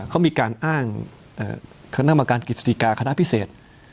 เขามีการอ้างคณะกรรมการกิจสติกาคณะพิเศษ